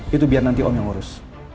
itu biar nanti om yang ngurus